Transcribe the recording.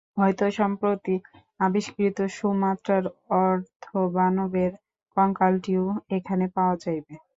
হয়তো সম্প্রতি আবিষ্কৃত সুমাত্রার অর্ধবানরের কঙ্কালটিও এখানে পাওয়া যাইবে।